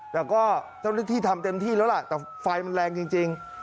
แต่ก็เจ้าหน้าที่ทำเต็มที่แล้วล่ะแต่ไฟมันแรงจริง